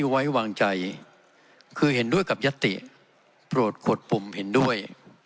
เห็นควรไม่ไว้วางใจคือเห็นด้วยกับยัตติโปรดกดปุ่มเห็นด้วย